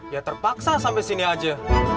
ya terpaksa sampai sini aja